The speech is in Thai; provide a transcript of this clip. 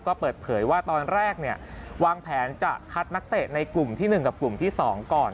ก็เปิดเผยว่าตอนแรกเนี่ยวางแผนจะคัดนักเตะในกลุ่มที่๑กับกลุ่มที่๒ก่อน